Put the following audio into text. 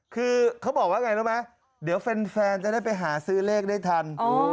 คือเขาบอกว่าไงรู้ไหมเดี๋ยวแฟนจะได้ไปหาซื้อเลขได้ทัน